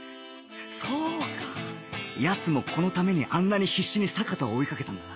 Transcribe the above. そうか奴もこのためにあんなに必死に坂田を追いかけたんだな